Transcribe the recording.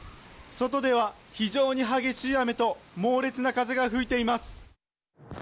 外では非常に激しい雨と猛烈な風が吹いています。